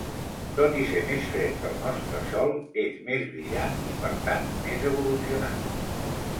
Tot i ser més fred que el nostre sol, és més brillant i, per tant, més evolucionat.